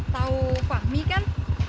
tau fahmi kan